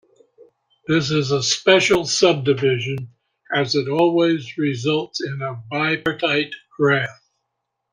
This is a special subdivision, as it always results in a bipartite graph.